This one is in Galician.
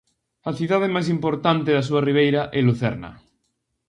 A cidade máis importante da súa ribeira é Lucerna.